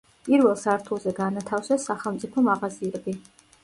პირველ სართულზე განათავსეს სახელმწიფო მაღაზიები.